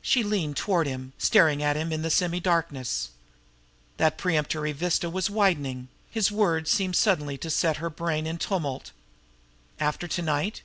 She leaned toward him, staring at him in the semi darkness. That premonitory vista was widening; his words seemed suddenly to set her brain in tumult. After to night!